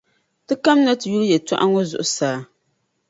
Ti kamina ti yuli yɛltɔɣa ŋɔ zuɣusaa.